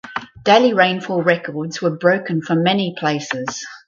Daily rainfall records were broken for many places.